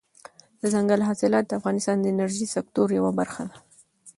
دځنګل حاصلات د افغانستان د انرژۍ د سکتور یوه برخه ده.